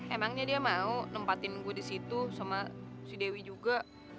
emangnya dia mau nempatin gue di situ sama si dewi juga